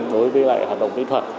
đối với lại hoạt động lý thuật